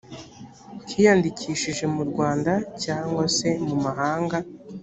cyiyandikishije mu rwanda cyangwa se mumahanga